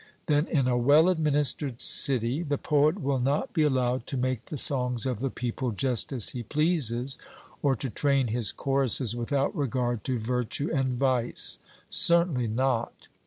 Then in a well administered city, the poet will not be allowed to make the songs of the people just as he pleases, or to train his choruses without regard to virtue and vice. 'Certainly not.'